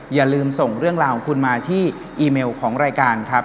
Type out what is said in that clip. อย่าลืมส่งเรื่องราวของคุณมาที่อีเมลของรายการครับ